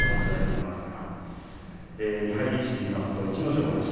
２敗力士でいいますと逸ノ城は霧